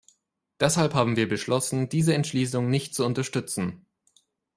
Deshalb haben wir beschlossen, diese Entschließung nicht zu unterstützen.